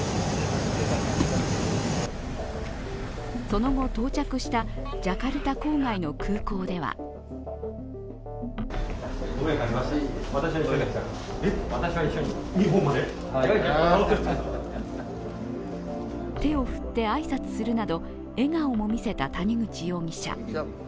その後到着したジャカルタ郊外の空港では手を振って挨拶するなど、笑顔も見せた谷口容疑者。